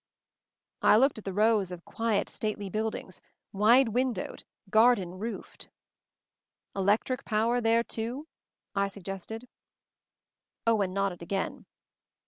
I looked at the rows of quiet, stately buildings; wide windowed; garden roofed. "Electric power there too?" I suggested. Owen nodded again.